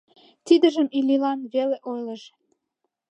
Тидыжым Иллилан веле ойлыш.